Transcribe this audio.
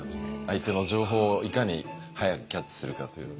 相手の情報をいかに早くキャッチするかという。